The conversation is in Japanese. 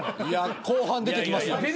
いや後半出てきますよ。